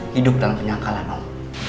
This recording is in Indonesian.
hidup dalam penyangkalan om